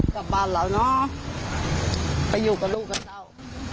กลับบ้านแล้วเนอะไปอยู่กับลูกของเขา